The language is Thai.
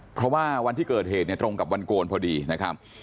เพราะว่าวันที่เกิดเหตุเนี่ยตรงกับวันโกนพอดีนะครับ